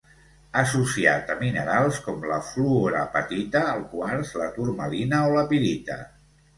Associat a minerals com la fluorapatita, el quars, la turmalina o la pirita.